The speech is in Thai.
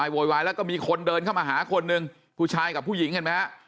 โวยวายแล้วก็มีคนเดินเข้ามาหาคนหนึ่งผู้ชายกับผู้หญิงเห็นไหมฮะ